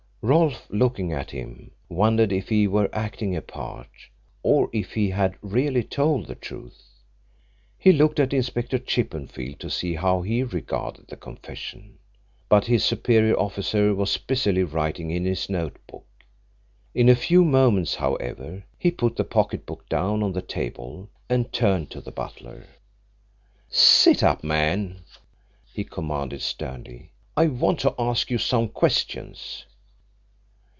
Rolfe, looking at him, wondered if he were acting a part, or if he had really told the truth. He looked at Inspector Chippenfield to see how he regarded the confession, but his superior officer was busily writing in his note book. In a few moments, however, he put the pocket book down on the table and turned to the butler. "Sit up, man," he commanded sternly. "I want to ask you some questions."